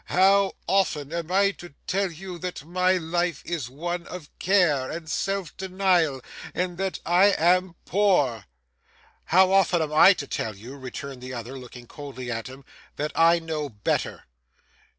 How often am I to tell you that my life is one of care and self denial, and that I am poor?' 'How often am I to tell you,' returned the other, looking coldly at him, 'that I know better?